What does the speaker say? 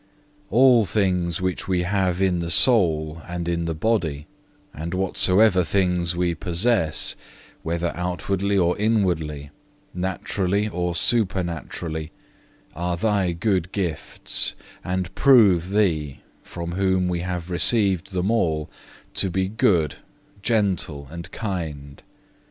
2. All things which we have in the soul and in the body, and whatsoever things we possess, whether outwardly or inwardly, naturally or supernaturally, are Thy good gifts, and prove Thee, from whom we have received them all, to be good, gentle, and kind.